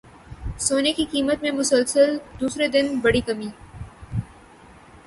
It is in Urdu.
سونے کی قیمت میں مسلسل دوسرے روز بڑی کمی